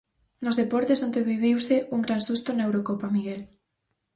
Nos deportes, onte viviuse un gran susto na Eurocopa, Miguel.